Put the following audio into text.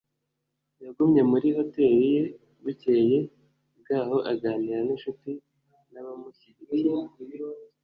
Yagumye muri hoteri ye bukeye bwaho aganira ninshuti nabamushyigikiye